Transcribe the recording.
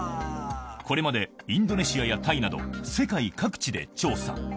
これまで、インドネシアやタイなど、世界各地で調査。